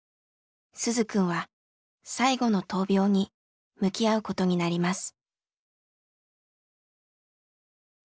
鈴くんは最後の闘病に向き合うことになります。